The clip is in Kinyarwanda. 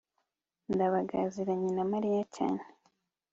ndabaga aziranye na mariya cyane